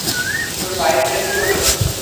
তোর বাইকটার কী হলো?